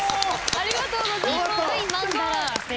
ありがとうございます！